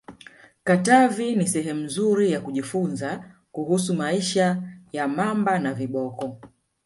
katavi ni sehemu nzuri ya kujifunza kuhusu maisha ya mamba na viboko